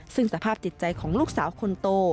ซึ่งสภาพจิตใจของลูกสาวคนโต